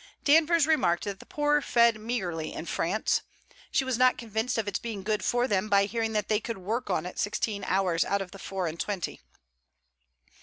Danvers remarked that the poor fed meagrely in France. She was not convinced of its being good for them by hearing that they could work on it sixteen hours out of the four and twenty.